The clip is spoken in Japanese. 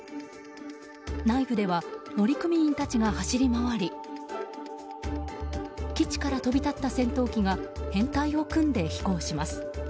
内部では、乗組員たちが走り回り基地から飛び立った戦闘機が編隊を組んで飛行します。